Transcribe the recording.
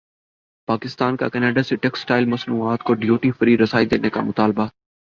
پاکستان کاکینیڈا سے ٹیکسٹائل مصنوعات کو ڈیوٹی فری رسائی دینے کامطالبہ